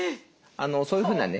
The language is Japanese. そういうふうなね